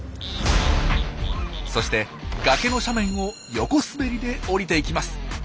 そして崖の斜面を「横滑り」で下りていきます。